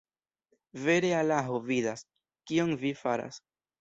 Vere Alaho vidas, kion vi faras.